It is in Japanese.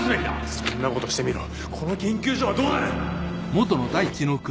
そんなことしてみろこの研究所はどうなる？